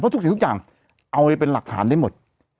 ทุกสิ่งทุกอย่างเอาไปเป็นหลักฐานได้หมด